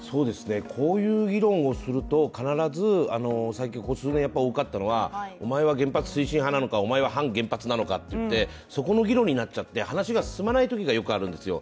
こういう議論をすると必ずここ数年多かったのはおまえは原発推進派なのか、反原発なのかってそこの議論になっちゃって話が進まないときがよくあるんですよ。